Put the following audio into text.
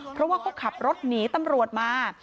เพราะว่าก็ขับรถหนีตำรวจมา